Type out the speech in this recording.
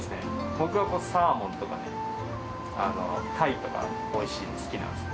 僕はサーモンとかね鯛とかおいしいんで好きなんですよ